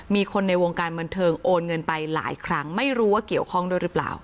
มีคนในวงการบันเทิงโอนเงินไปหลายครั้งไม่รู้ว่าเกี่ยวข้องด้วยหรือเปล่า